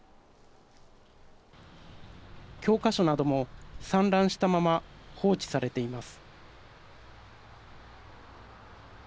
教科書なども散乱したまま放置されています。